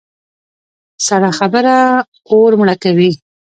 سړه خبره اور مړه کوي.